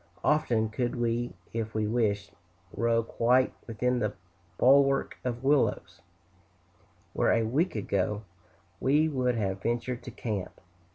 Often could we, if we wished, row quite within the bulwark of willows, where a week ago we would have ventured to camp.